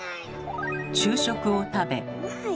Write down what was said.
昼食を食べ。